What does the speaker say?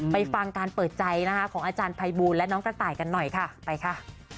ไปฟังการเปิดใจนะคะของอาจารย์ภัยบูลและน้องกระต่ายกันหน่อยค่ะไปค่ะ